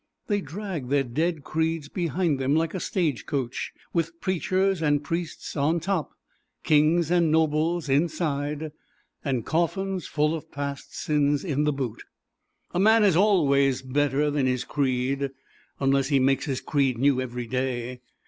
They drag their dead creeds behind them like a stagecoach, with preachers and priests on top; kings and nobles inside; and coffins full of past sins in the boot. A man is always better than his creed unless he makes his creed new every day.